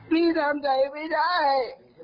พี่ทำใจไม่ได้